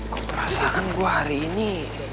gua perasaan gua hari ini